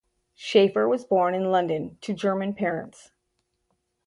Schaeffer was born in London to German parents.